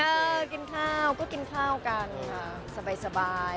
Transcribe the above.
เอ้อกินข้าวก็กินข้ากันค่ะสบาย